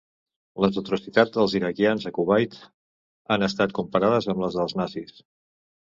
Les atrocitats dels iraquians a Kuwait han estat comparades amb les dels nazis.